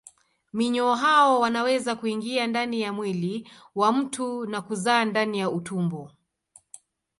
Minyoo hao wanaweza kuingia ndani ya mwili wa mtu na kuzaa ndani ya utumbo.